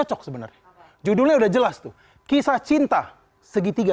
udah cocokbaren judulnya sudah jelas mau nulis biar tersenyum kita nj gewza red negative